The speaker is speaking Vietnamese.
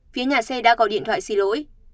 phía nhà xe đã gọi điện thoại xin lỗi